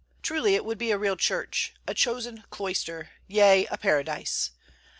Truly it would be a real Church, a chosen cloister, yea, a paradise.